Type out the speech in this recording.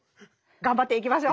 頑張っていきましょう。